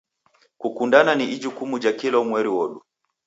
Kukundana ni ijukumu ja kila umweri wodu.